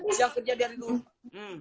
orang orang kerja dari rumah